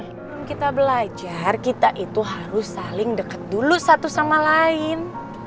sebelum kita belajar kita itu harus saling dekat dulu satu sama lain